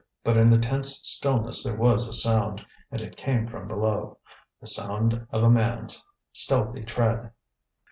But in the tense stillness there was a sound, and it came from below the sound of a man's stealthy tread.